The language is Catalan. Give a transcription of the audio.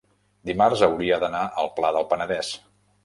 dimarts hauria d'anar al Pla del Penedès.